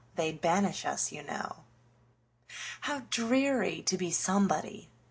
They 'd banish us, you know. How dreary to be somebody!